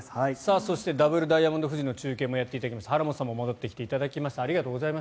そしてダブルダイヤモンド富士の中継をやっていただきました原元さんも戻ってきていただきました。